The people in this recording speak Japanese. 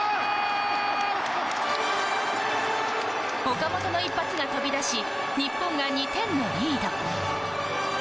岡本の一発が飛び出し日本が２点のリード。